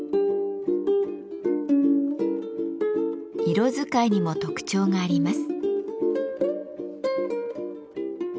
色使いにも特徴があります。